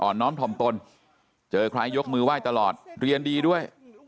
น้อมถ่อมตนเจอใครยกมือไหว้ตลอดเรียนดีด้วย